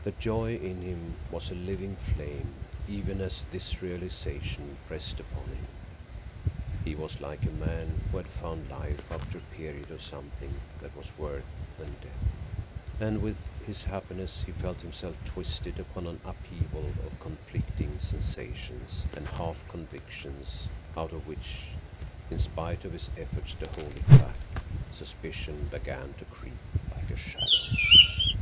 The joy in him was a living flame even as this realization pressed upon him. He was like a man who had found life after a period of something that was worse than death, and with his happiness he felt himself twisted upon an upheaval of conflicting sensations and half convictions out of which, in spite of his effort to hold it back, suspicion began to creep like a shadow.